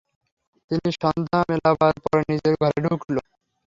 তিন্নি সন্ধ্যা মেলাবার পর নিজের ঘরে ঢুকল।